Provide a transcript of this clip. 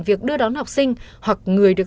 việc đưa đón học sinh hoặc người được